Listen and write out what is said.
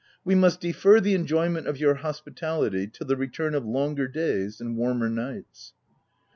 We must defer the enjoyment of your hospitality, till the return of longer days and warmer nights."